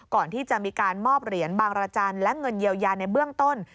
ก่อนที่จะมีการมอบเหรียญบางรจันทร์และเงินเยียวยาในเบื้องต้น